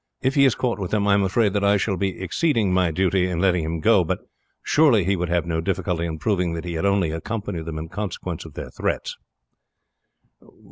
If he is caught with them I am afraid that I shall be exceeding my duty in letting him go; but surely he would have no difficulty in proving that he had only accompanied them in consequence of their threats."